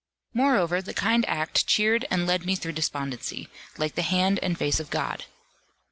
Moreover the kind act cheered and led me through despondency, like the hand and face of God.